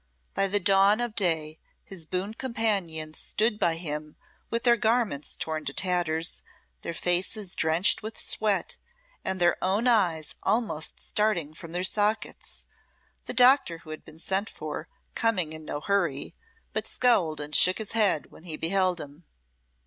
By the dawn of day his boon companions stood by him with their garments torn to tatters, their faces drenched with sweat, and their own eyes almost starting from their sockets; the doctor who had been sent for, coming in no hurry, but scowled and shook his head when he beheld him.